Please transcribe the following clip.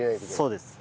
そうです。